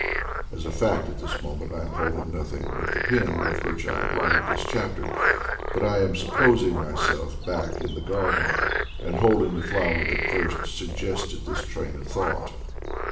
As a fact at this moment I am holding nothing but the pen with which I am writing this chapter; but I am supposing myself back in the garden, and holding the flower that first suggested this train of thought.